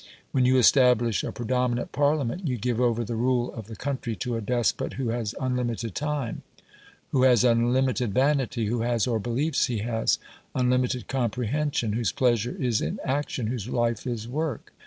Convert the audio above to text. When you establish a predominant Parliament, you give over the rule of the country to a despot who has unlimited time who has unlimited vanity who has, or believes he has, unlimited comprehension, whose pleasure is in action, whose life is work.